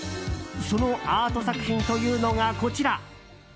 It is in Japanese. そのアート作品というのがこちら。